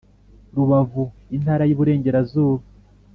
Rubavu Intara y Iburengerazuba